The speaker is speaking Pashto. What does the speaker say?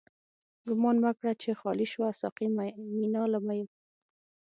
ګومان مه کړه چی خالی شوه، ساقی مينا له ميو